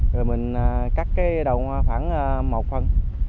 rồi mình cắt cái đầu hoa khoảng một phần